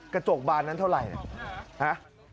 กระจกบานนั้นเท่าไหร่หะ